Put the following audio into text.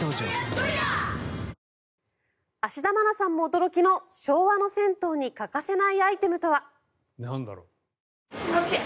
芦田愛菜さんも驚きの昭和の銭湯に欠かせないアイテムとは？